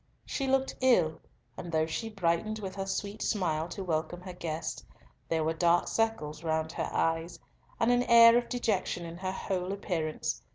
She looked ill, and though she brightened with her sweet smile to welcome her guest, there were dark circles round her eyes, and an air of dejection in her whole appearance.